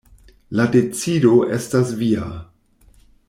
La decido estas via.